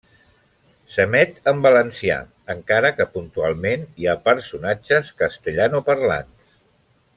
S'emet en valencià, encara que puntualment hi ha personatges castellanoparlants.